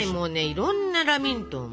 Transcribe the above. いろんなラミントン